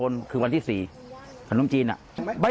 ส่วนขนมจีนอ่ะ